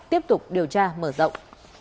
tiếp tục điều tra mở rộng